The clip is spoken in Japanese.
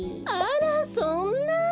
あらそんな。